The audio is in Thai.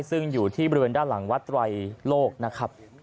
ซึ่งอยู่ที่บริเวณด้านหลังวัดไตรโลกนะครับ